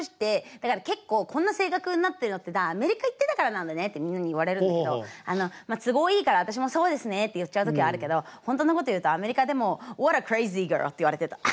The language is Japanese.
だから結構「こんな性格になってるのってアメリカ行ってたからなんだね」ってみんなに言われるんだけどまあ都合いいから私も「そうですね」って言っちゃう時あるけど本当のこと言うとアメリカでも「ホワットアクレイジーガール」って言われてた。